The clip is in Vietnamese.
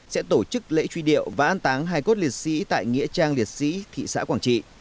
sẽ tổ chức lễ truy điệu và an táng hai cốt liệt sĩ tại nghĩa trang liệt sĩ thị xã quảng trị